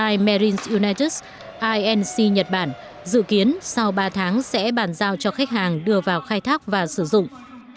i marines united inc nhật bản dự kiến sau ba tháng sẽ bàn giao cho khách hàng đưa vào khai thác và sử dụng